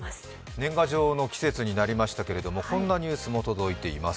年賀状の季節になりましたけれども、こんなニュースも届いています。